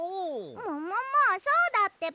もももそうだってば！